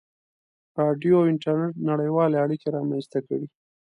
• راډیو او انټرنېټ نړیوالې اړیکې رامنځته کړې.